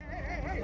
tolong kasih jalan